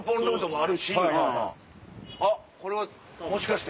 あっこれはもしかして。